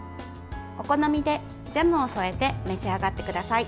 お好みでジャムを添えて召し上がってください。